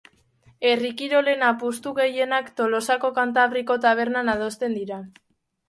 Herri kirolen apustu gehienak Tolosako Kantabriko tabernan adosten dira.